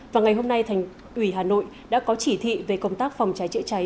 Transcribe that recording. và ngày hôm nay thành ủy hà nội đã có chỉ thị về công tác phòng trái chữa trái